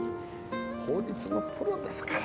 法律のプロですから。